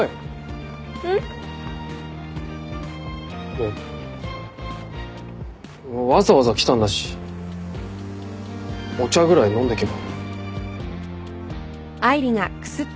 いやわざわざ来たんだしお茶ぐらい飲んでけば？